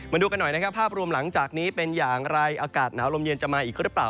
มาดูกันหน่อยนะครับภาพรวมหลังจากนี้เป็นอย่างไรอากาศหนาวลมเย็นจะมาอีกหรือเปล่า